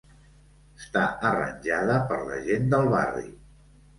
Està arranjada per la gent del barri.